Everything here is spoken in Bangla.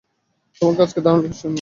তোমাকে আজকে দারুণ আকর্ষণীয় লাগছে।